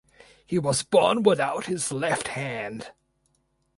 He was born without his left hand.